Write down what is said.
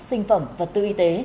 sinh phẩm và tự y tế